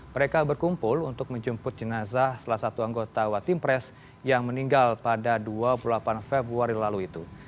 mereka berkumpul untuk menjemput jenazah salah satu anggota watim pres yang meninggal pada dua puluh delapan februari lalu itu